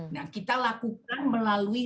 nah kita lakukan melalui